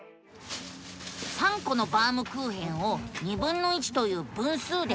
３コのバウムクーヘンをという分数で分けると。